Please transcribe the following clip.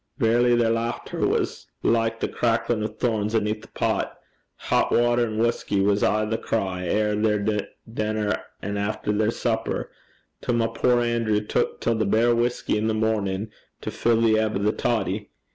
Verity their lauchter was like the cracklin' o' thorns aneath a pot. Het watter and whusky was aye the cry efter their denner an' efter their supper, till my puir Anerew tuik till the bare whusky i' the mornin' to fill the ebb o' the toddy.